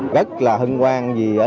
rất là hân quang vì